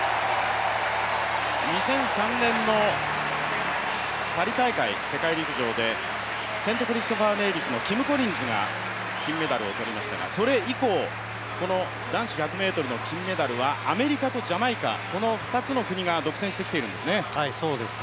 ２００３年のパリ大会世界陸上でセントクリストファー・ネイビスのキム・コリンズが金メダルを取りましたがそれ以降この男子１００ｍの金メダルはアメリカとジャマイカ、この２つの国が独占しているんですね。